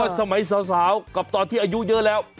สมัยสาวกับตอนที่อายุเยอะแล้ว